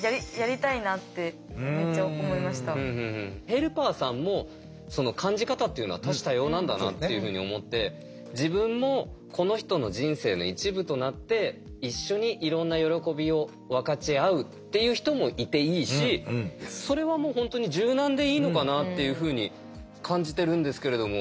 ヘルパーさんも感じ方っていうのは多種多様なんだなっていうふうに思って自分もこの人の人生の一部となって一緒にいろんな喜びを分かち合うっていう人もいていいしそれはもう本当に柔軟でいいのかなっていうふうに感じてるんですけれども。